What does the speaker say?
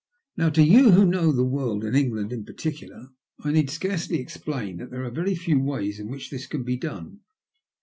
Now, to you who know the world, and England in particular, I need scarcely explain that there are very few ways in which this can be done.